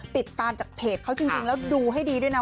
ติดตามจากเพจเขาจริงแล้วดูให้ดีด้วยนะ